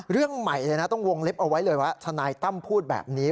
เรื่องใหม่เลยนะต้องวงเล็บเอาไว้เลยว่าทนายตั้มพูดแบบนี้